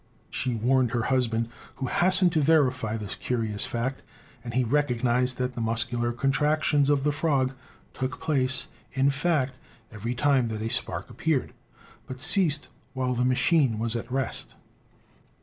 She warned her husband, who hastened to verify this curious fact, and he recognised that the muscular contractions of the frog took place, in fact, every time that a spark appeared, but ceased while the machine was at rest."